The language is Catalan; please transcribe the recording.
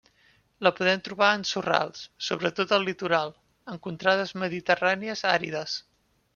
La podem trobar en sorrals, sobretot al litoral, en contrades mediterrànies àrides.